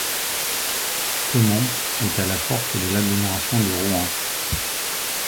Caumont est à la porte de l'agglomération de Rouen.